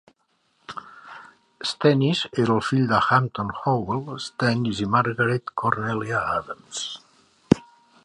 Stennis era el fill de Hampton Howell Stennis i Margaret Cornelia Adams.